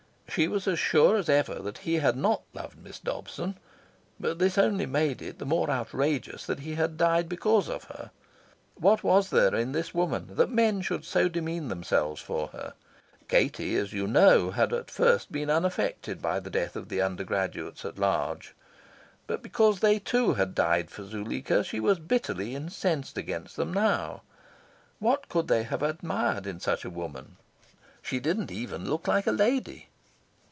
She was as sure as ever that he had not loved Miss Dobson; but this only made it the more outrageous that he had died because of her. What was there in this woman that men should so demean themselves for her? Katie, as you know, had at first been unaffected by the death of the undergraduates at large. But, because they too had died for Zuleika, she was bitterly incensed against them now. What could they have admired in such a woman? She didn't even look like a lady.